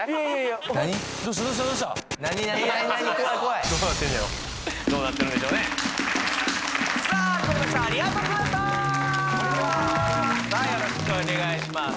よろしくお願いします